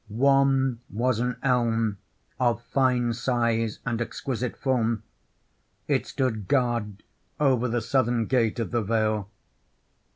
One was an elm of fine size and exquisite form: it stood guard over the southern gate of the vale.